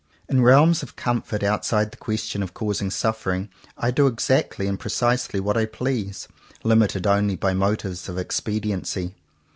In realms of comfort outside the question of causing suffering, I do exactly and precisely what I please, limited only by motives of expediency.